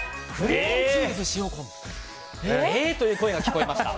えーという声が聞こえました。